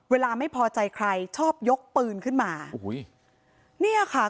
เวลาไม่พอใจใครชอบยกปืนขึ้นมา